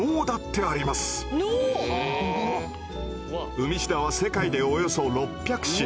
ウミシダは世界でおよそ６００種。